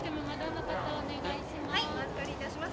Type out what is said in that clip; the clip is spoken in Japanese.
はいお預かりいたします。